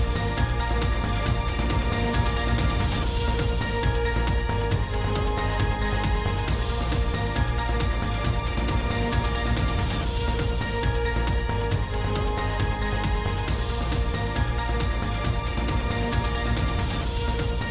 โปรดติดตามตอนต่อไป